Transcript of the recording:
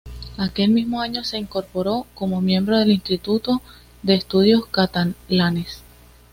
Aquel mismo año se incorporó como miembro del Instituto de Estudios Catalanes.